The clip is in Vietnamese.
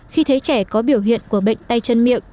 khi thấy trẻ có biểu hiện của bệnh tay chân miệng